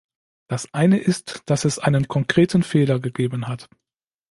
Das eine ist, dass es einen konkreten Fehler gegeben hat.